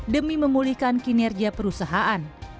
demi memulihkan kinerja perusahaan